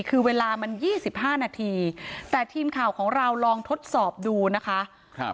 คือเวลามัน๒๕นาทีแต่ทีมข่าวของเราลองทดสอบดูนะคะ